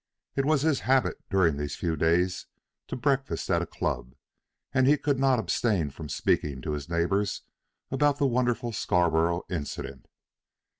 It was his habit during these few days to breakfast at a club, and he could not abstain from speaking to his neighbors about the wonderful Scarborough incident.